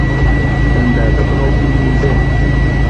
أَلّا تَطغَوا فِي الميزانِ